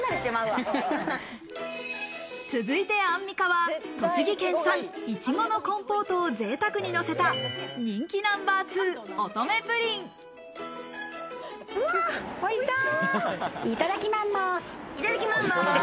続いてアンミカは栃木県産いちごのコンポートをぜいたくにのせた、人気ナンバー２「乙女ぷりん」。